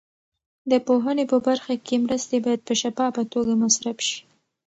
د پوهنې په برخه کې مرستې باید په شفافه توګه مصرف شي.